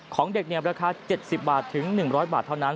ของเด็กเนียมราคา๗๐บาท๑๐๐บาทเท่านั้น